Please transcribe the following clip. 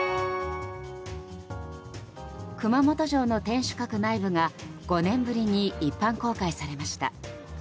熊本城の天守閣内部が５年ぶりに一般公開されました。